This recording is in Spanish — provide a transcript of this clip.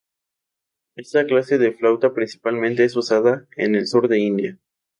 Esta clase de flauta principalmente es usada en el sur de India.